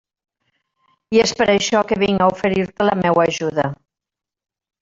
I és per això que vinc a oferir-te la meua ajuda.